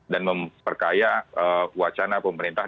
dan memperkaya wacana pemerintah